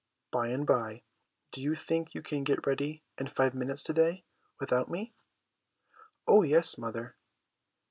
By and by, ' Do you think you can get ready in five minutes to day without me?' 'Oh yes. mother.'